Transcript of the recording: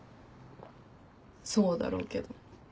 そうだろうけど。